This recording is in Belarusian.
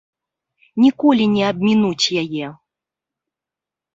Ніколі не абмінуць яе.